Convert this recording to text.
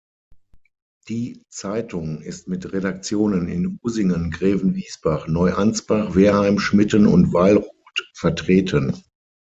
Die Zeitung ist mit Redaktionen in Usingen, Grävenwiesbach, Neu-Anspach, Wehrheim, Schmitten und Weilrod vertreten.